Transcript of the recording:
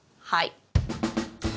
はい。